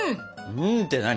「うん！」って何？